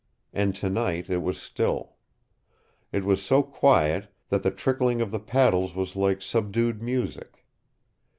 And tonight it was still. It was so quiet that the trickling of the paddles was like subdued music.